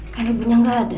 kan ibunya gaada